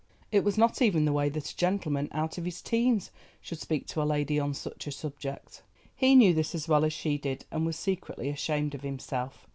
It was not even the way that a gentleman out of his teens should speak to a lady on such a subject. He knew this as well as she did and was secretly ashamed of himself.